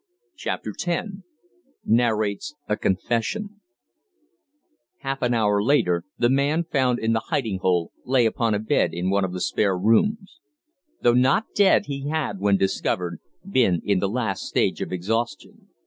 CHAPTER X NARRATES A CONFESSION Half an hour later the man found in the hiding hole lay upon a bed in one of the spare rooms. Though not dead, he had, when discovered, been in the last stage of exhaustion.